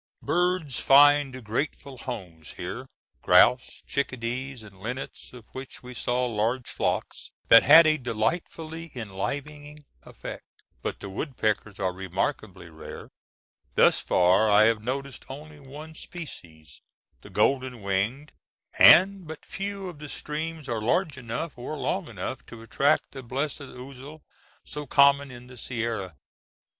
Birds find grateful homes here—grouse, chickadees, and linnets, of which we saw large flocks that had a delightfully enlivening effect. But the woodpeckers are remarkably rare. Thus far I have noticed only one species, the golden winged; and but few of the streams are large enough or long enough to attract the blessed ousel, so common in the Sierra.